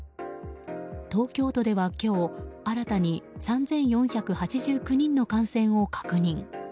東京都では今日新たに３４８９人の感染を確認。